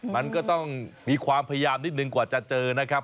มันก็ต้องมีความพยายามนิดนึงกว่าจะเจอนะครับ